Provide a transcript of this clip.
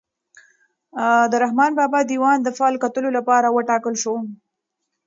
د رحمان بابا دیوان د فال کتلو لپاره وټاکل شو.